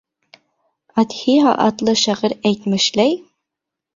Атһия атлы шағир әйтмешләй